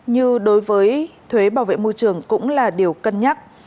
như đối với thuế bảo vệ môi trường cũng là điều cân nhắc